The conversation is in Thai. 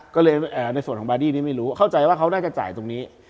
ก็เลยในส่วนของบาดี้นี้ไม่รู้เข้าใจว่าเขาน่าจะจ่ายตรงนี้